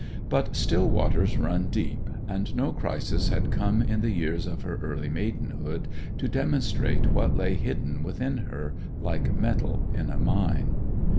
But still waters run deep; and no crisis had come in the years of her early maidenhood to demonstrate what lay hidden within her, like metal in a mine.